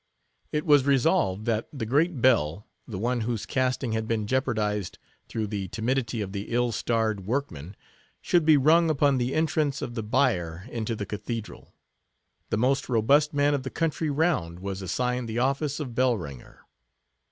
It was resolved that the great bell—the one whose casting had been jeopardized through the timidity of the ill starred workman—should be rung upon the entrance of the bier into the cathedral. The most robust man of the country round was assigned the office of bell ringer.